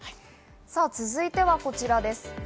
続いてはこちらです。